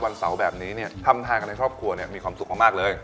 วันเสาร์แบบนี้ทำทานกันในครอบครัวมีความสุขมากเลย